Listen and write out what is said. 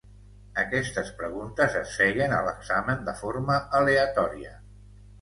Aquestes preguntes es feien a l"examen de forma aleatòria.